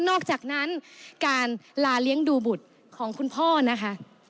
อกจากนั้นการลาเลี้ยงดูบุตรของคุณพ่อนะคะ